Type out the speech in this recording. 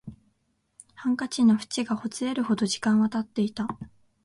ハンカチの縁がほつれるほど時間は経っていた